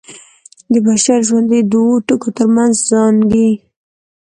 د بشر ژوند د دوو ټکو تر منځ زانګي.